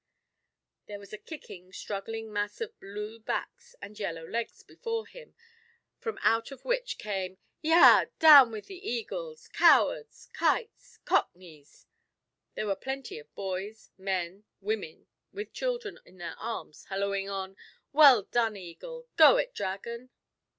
There was a kicking, struggling mass of blue backs and yellow legs before him, from out of which came "Yah! Down with the Eagles! Cowards! Kites! Cockneys!" There were plenty of boys, men, women with children in their arms hallooing on, "Well done, Eagle!" "Go it, Dragon!"